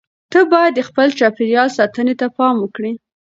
ته باید د خپل چاپیریال ساتنې ته پام وکړې.